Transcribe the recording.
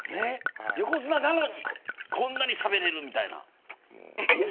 横綱なのにこんなにしゃべれるみたいな。